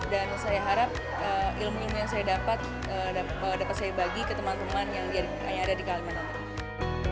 dan saya harap ilmu ilmu yang saya dapat dapat saya bagi ke teman teman yang hanya ada di kalimantan